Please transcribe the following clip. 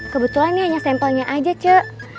kebetulan ini hanya sampelnya aja cok